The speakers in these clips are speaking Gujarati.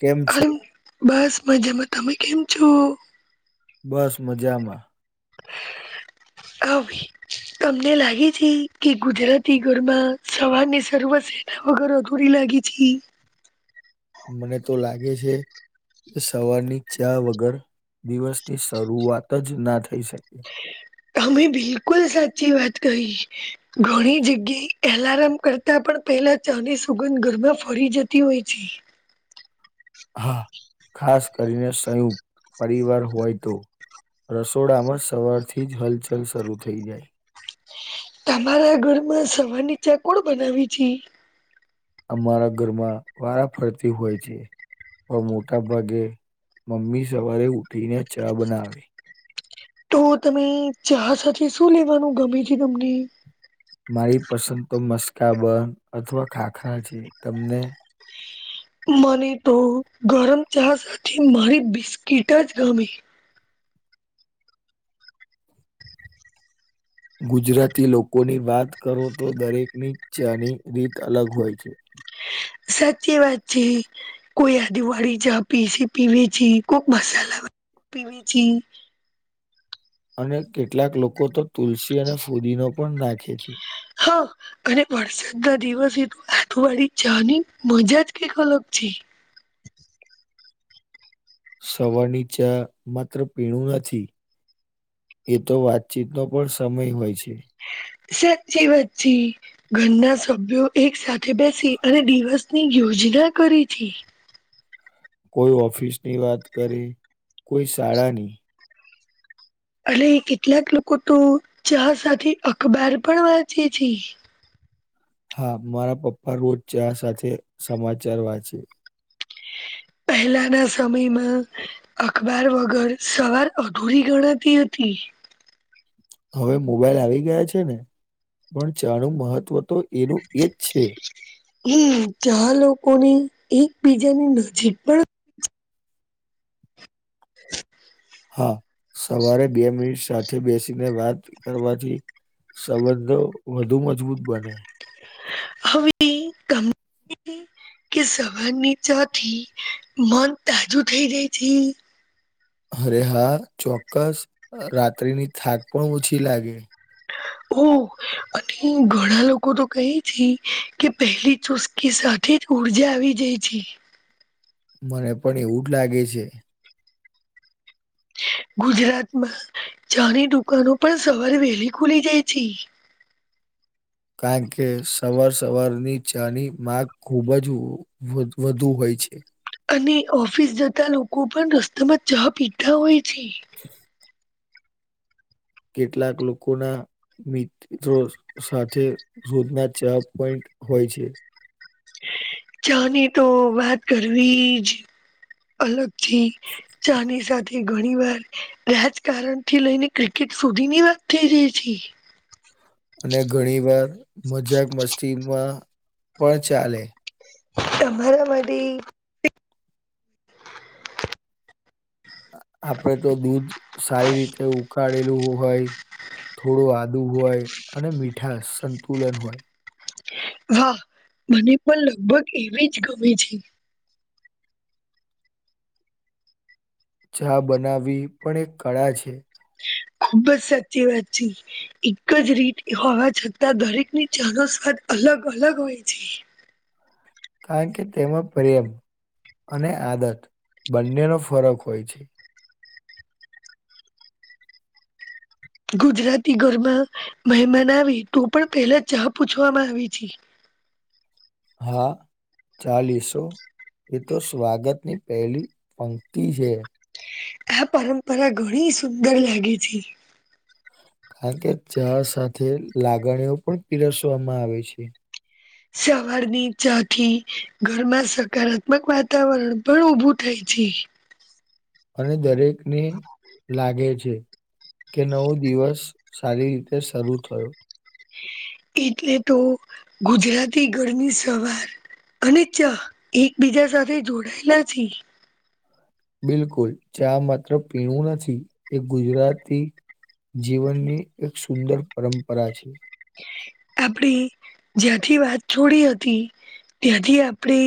કેમ છો? અરે બસ મજામાં તમે કેમ છો બસ મજામાં અવેવે તમને લાગે છે કે ગુજરાતી ઘરમાં સવાર ની શરૂઆશે એ ઘર દોરી લાગી છે મને તો લાગે છે સવારની ચયા વગર દિવસની શરૂઆત જ ના થઈ શકે અમે બિલકુલ સાચી વાત કહી ઘણી જગ્યા એલાર્મ કરતા પણ પહેલા ચાની સુગંધ ઘરમાં ફરી જતી હોય છે હા ખાસ કરીને સંયુક્ત પરિવાર હોય તો રસોડામાં સવાર થી જ હલચલ શરૂ થઈ જાય તમારા ઘરમાં સવાર ની ચા કોણ બનાવી છે અમારા ઘરમાં વારા ફરતી હોય છે પણ મોટા ભાગે મમ્મી સવારે ઉઠી ને ચા બનાવે તો તમે ચાહ સાથે શું લેવાનું ગમે છે તમને મારી પસંદ તો મસ્કા બંધ અથવા ખાખરા છે તમને મને તો ગરમ ચા સાથે મારી બિસ્કીિટ જ ગમેી ગુજરાતી લોકોની વાત કરો તો દરેકની ચની રીત અલગ હોય છે સાચી વાત છે કોઈ આ દિવાળી ચા પી પીવે છે કોઈક મસાલા પીવે છે અને કેટલાક લોકો તો તુલસી અને ફુદી ન પણ નાખે છે હા અને વરસાદ ના દિવસે તો આતુવાળી ચા ની મજા જ કઈક અલગ છે સવાર ની ચા માત્ર પીણું નથી એ તો વાતચીતનોો પણ સમય હોય છે સાચી વચચી ઘરના સભ્યો એક સાથે બેસી અને દિવસ ની યોજના કરી હતી કોઈ ઓફિસ ની વાત કરીે કોઈ શાળાની અટ કેટલાક લોકો તો ચા સાથે અખબાર પણ વાંચે છે હા મારા પપ્પા રોજ ચા સાથે સમાચાર વાંચે પહેલાંના સમયમાં અખબાર વગર સવાર અધૂરી ગણાતી હતી હવે મોબાઈલ આવી ગયા છે ને પણ ચાણું મહત્વ તો એનું એજ છે હમ ચ્યા લોકો ની [inaudible] હા સવારે બે મિનિટ સાથે બેસીને વાત કરવાથી સંબંધો વધુ મજબૂત બને હવે ગામમાં ને કે સવાર ની ચા થી મન તાજું થઈ જાય છે અરે હા ચોક્કસ રાત્રિની થાક પણ ઓછી લાગે ઓ અને ઘણા લોકો તો કહે છે કે પહેલી ચુસ કે સાથે જ ઉર્જા આવી જાય છે મને પણ એવું જ લાગે છે ગુજરાતમાં ચાની દુકાનો પણ સવારે વહેલી ખુલી જાય છે કારણ કે સવાર સવારની ચા ની માંગ ખૂબ જ વધ વધુ હોય છે અને ઓફિસ જતા લોકો પણ રસ્તામાં ચા પીતા હોય છે [inaudible] કેટલાક લોકોના મિત્રો સાથે રોજના ચા પોઈન્ટ હોય છે ચાની તો વાત કરવી જ અલગથી ચા ની સાથે ઘણી વાર રાજકારણ થી લઈને ક્રિકેટ સુધીની વાત થઈ જાય છે અને ઘણી વાર મજાક મસ્તી પણ પણ ચાલે તમારા માટે આપણે તો દૂધ સારી રીતે ઉકાળેલું હોય થોડું આદુ હોય અને મીઠા સંતુલન હોય હા મને પણ લગભગ એવી જ ગમે છે ચા બનાવવી પણ એક કળા છે ખુબ જ સાચી વાત છે એક જ રીતે હોવા છતાં દરેક ની ચા નો સ્વાદ અલગ અલગ હોય છે કારણ કે તેમાં પ્રેમ અને આદત બંનેનો ફરક હોય છે ગુજરાતી ઘરમાં મહેમાન આવે તો પણ પહેલા ચા પૂછવામાં આવી છે હા ચાલીસો એ તો સ્વાગતની પહેલી પંક્તિ છે આ પરંપરા ઘણી સુંદર લાગે છે કારણ કે ચા સાથે લાગણીઓ પણ પીરસવામાં આવે છે સવારની ચા થી ઘરમાં સકારાત્મક વાતાવરણ પણ ઉભું થાય છે અને દરેકને લાગે છે કે નવો દિવસ સારી રીતે શરૂ થયો એટલે તો ગુજરાતી ઘરની સવાર અને ચા એકબીજા સાથે જોડાયેલા છે બિલકુલ ચા માત્ર પીણું નથી એ ગુજરાતી જીવનની એક સુંદર પરંપરા છે આપડી જ્યાંથી વાત છોડી હતી ત્યાંથી આપણે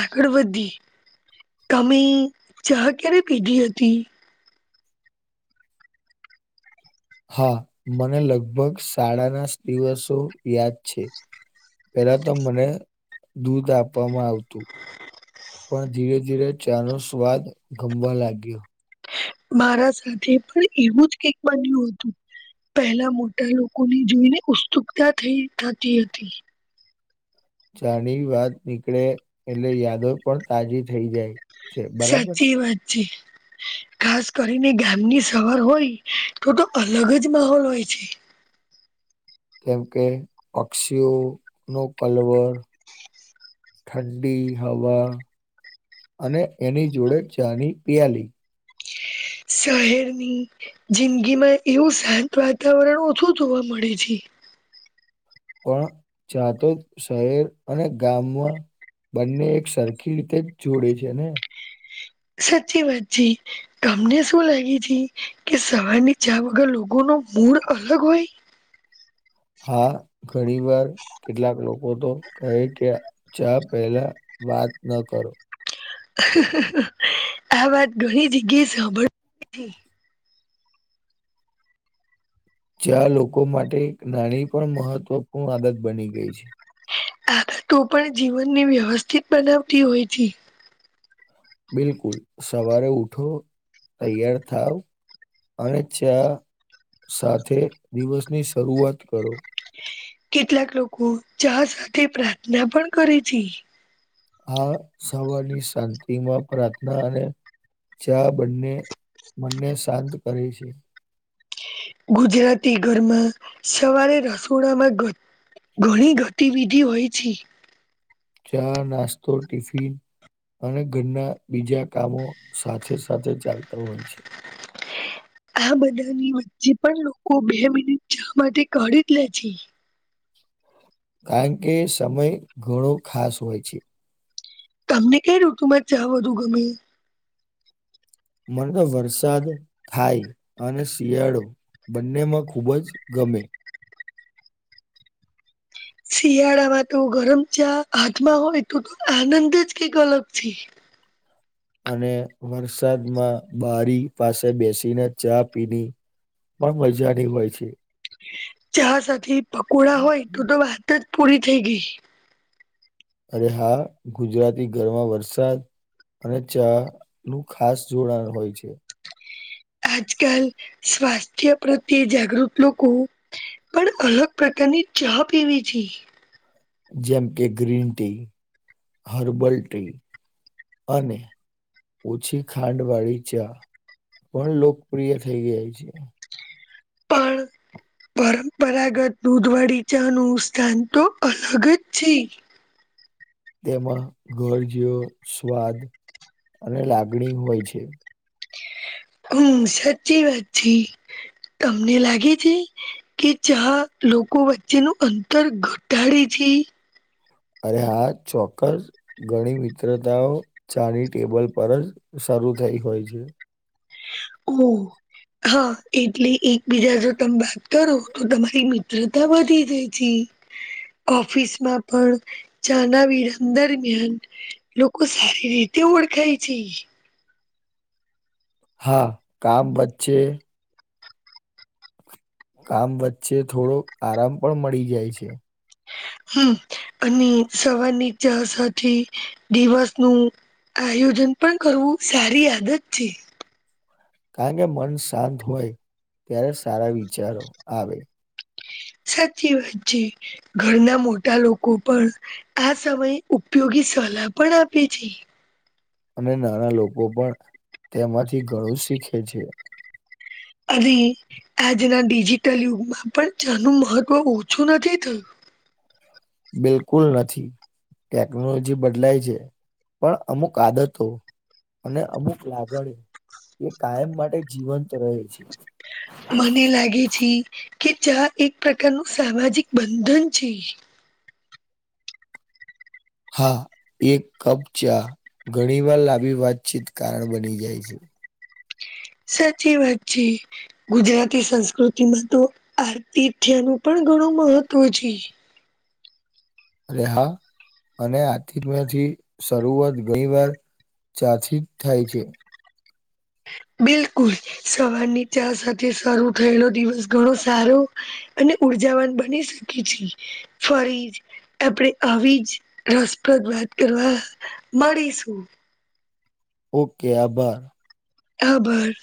આગળ વધી કમે ચા ક્યારે પીધી હતી હા મને લગભગ શાળાના દિવસો યાદ છે પેલા તો મને દૂધ આપવામાં આવતું પણ ધીરે ધીરે ચા નો સ્વાદ ગમવા લાગ્યો મારા સાથે પણ એવું જ કઈક બન્યું હતું પહેલા મોટા લોકો ની જોઈને ઉત્સુકતા થઈ થતી હતી ચા ની વાત નીકળે એટલે યાદો પણ તાજી થઈ જાય છે, બરાબર. સાચી વાત છે. ખાસ કરીને ગામની સવાર હોય તો તો અલગ જ માહોલ હોય છે. કેમ કે પક્ષીઓ નો કલવર ઠંડી હવા અને એની જોડે ચની પિયાલી. શહેરની જિંદગીમાં એવું શાંત વાતાવરણ ઓછું જોવા મળે છે. પણ જાતો જ શહેર અને ગામમાં બંને એક સરખી રીતે જ જોડે છે. ને સાચી વાત જી તમને શું લાગી હતી કે સવાર ની ચા વગર લોકો ન મૂડ અલગ હોય? હા ઘણી વાર કેટલાક લોકો તો કહે કે ચા પેલા વાત ન કરો. આ વાત ઘણી જગ્યાએ સાંભળ જ્યાં લોકો માટે એક નાની પણ મહત્વપૂર્ણ આદત બની ગઈ છે. આ તો પણ જીવનની વ્યવસ્થિત બનાવતી હોય છે. બિલકુલ સવારે ઉઠો તૈયાર થાવ. અને ચા સાથે દિવસની શરૂઆત કરો. કેટલાક લોકો ચા સાથે પ્રાર્થના પણ કરે છે. આ સવારની શાંતિ માં પ્રાર્થના અને ચા બંને મનને શાંત કરે છે. ગુજરાતી ઘરમાં સવારે રસોડામાં ઘણી ગતિવિધિ હોય છે. ચા, નાસ્તો, ટિફિન અને ઘરના બીજા કામો સાથે સાથે ચાલતા હોય છે. આ બધાની વચ્ચે પણ લોકો બે મિનિટ ચા માટે કાઢી જ લે છે. કારણ કે સમય ઘણો ખાસ હોય છે. તમને કઈ ઋતુમાં ચા વધુ ગમે? મને તો વરસાદ થાય. અને શિયાળો બંનેમાં ખુબ જ ગમે. શિયાળામાં તો ગરમ ચા હાથમાં હોય તો આનંદ જ કંઈક અલગ છે. અને વરસાદમાં બારી પાસે બેસીને ચા પીની. પણ મજાની હોય છે. ચા સાથે પકોડા હોય તો તો વાત જ પૂરી થઈ ગઈ. અરે હા ગુજરાતી ઘરમાં વરસાદ અને ચા નું ખાસ જોડાણ હોય છે. આજ કાલ સ્વાસ્થ્ય પ્રત્યે જાગૃત લોકો પણ અલગ પ્રકારની ચા પીવી જોઈએ. જેમ કે ગ્રીન ટી, હર્બલ ટી અને ઓછી ખાંડ વાળી ચા પણ લોકપ્રિય થઈ ગઈ છે. પણ પરંપરાગત દૂધ વાળી ચા નું સ્થાન તો અલગ જ છે. તેમાં ઘર જેઓ સ્વાદ અને લાગણી હોય છે. હમ્મ સાચી વાત છે. તમને લાગે છે કે ચા લોકો વચ્ચેનું અંતર ઘટાડે છે. અરે હા ચોક્કસ. ઘણી મિત્રતાઓ ચાની ટેબલ પર જ શરૂ થઈ હોય છે. ઓ હા એટલે એકબીજા જો તમે વાત કરો તો તમારી મિત્રતા વધી જાય. ઓફિસમાં પણ ચા ના વિરામ દરમિયાન લોકો સારી રીતે ઓળખાય છે. હા કામ વચ્ચે કામ વચ્ચે થોડો આરામ પણ મળી જાય છે. હમ્મ અને સવારની ચા સાથે દિવસ નું આયોજન પણ કરવું સારી આદત છે. કારણ કે મન શાંત હોય ત્યારે સારા વિચારો આવે. સાચી વાત છે ઘરના મોટા લોકો પણ આ સમયે ઉપયોગી સલાહ પણ આપે છે. અને નાના લોકો પણ તેમાંથી ઘણું શીખે છે. અ આજના ડિજિટલ યુગમાં પણ ચા નું મહત્ત્વ ઓછું નથી થયું. બિલકુલ નથી. ટેકનોલોજી બદલાય છે પણ અમુક આદતો. અને અમુક લાગણી એ કાયમ માટે જીવંત રહે છે. મને લાગે છે કે ચા એક પ્રકારનું સામાજિક બંધન છે. હા એક કપ ચા ઘણી વાર લાંભી વાતચીત કારણ બની જાય છે. સાચી વાત છે ગુજરાતી સંસ્કૃતિ માં તો આરતીથ્ય નું પણ ઘણું મહત્વ છે. રહા અને [unintelligible] થી શરૂઆત ગણી વાર ચા થી જ થાય છે. બિલકુલ સવારની ચા સાથે શરૂ થયેલો દિવસ ઘણો સારો. અને ઉર્જાવાન બની શકે છે ફરી. આપણેે આવી જ રસપ્રદ વાત કરવા મળીશું. ઓકે આભાર. આભાર